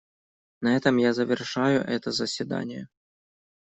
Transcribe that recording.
На этом я завершаю это заседание.